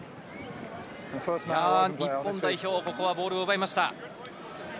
日本代表、ここはボールを奪いました。